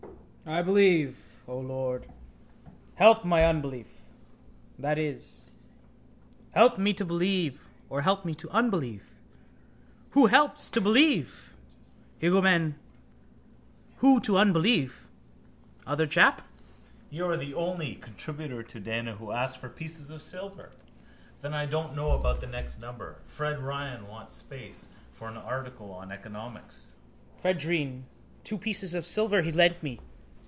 I believe, O Lord, help my unbelief. That is, help me to believe or help me to unbelieve? Who helps to believe? Egomen. Who to unbelieve? Other chap. —You are the only contributor to Dana who asks for pieces of silver. Then I don't know about the next number. Fred Ryan wants space for an article on economics. Fraidrine. Two pieces of silver he lent me.